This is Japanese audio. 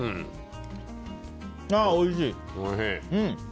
ああ、おいしい。